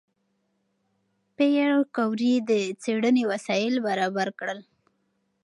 پېیر کوري د څېړنې وسایل برابر کړل.